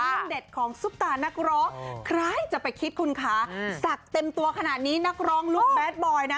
เด็ดของซุปตานักร้องใครจะไปคิดคุณคะสักเต็มตัวขนาดนี้นักร้องลูกแบทบอยนะ